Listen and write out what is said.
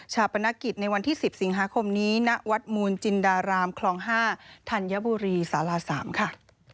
ปนกิจในวันที่๑๐สิงหาคมนี้ณวัดมูลจินดารามคลอง๕ธัญบุรีสารา๓ค่ะ